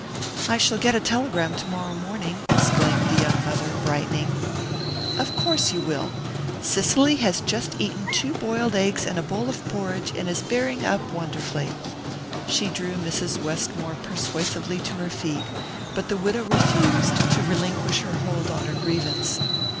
"I shall get a telegram tomorrow morning," exclaimed the young mother, brightening. "Of course you will. 'Cicely has just eaten two boiled eggs and a bowl of porridge, and is bearing up wonderfully.'" She drew Mrs. Westmore persuasively to her feet, but the widow refused to relinquish her hold on her grievance.